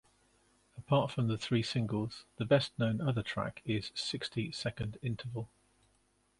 Apart from the three singles, the best known other track is "Sixty Second Interval".